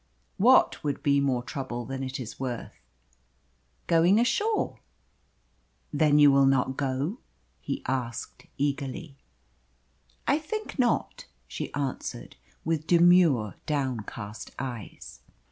"What would be more trouble than it is worth?" "Going ashore." "Then you will not go?" he asked eagerly. "I think not," she answered, with demure downcast eyes.